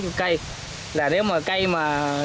vì vậy nếu mà cây mà